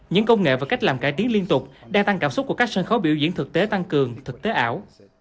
những công nghệ và cách làm cải tiến liên tục đa tăng cảm xúc của các sân khấu biểu diễn thực tế tăng cường thực tế ảo